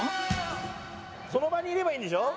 その場にいればいいんでしょ。